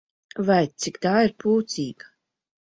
Vai, cik tā ir pūcīga!